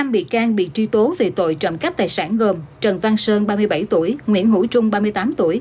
năm bị can bị truy tố về tội trộm cắp tài sản gồm trần văn sơn ba mươi bảy tuổi nguyễn hữu trung ba mươi tám tuổi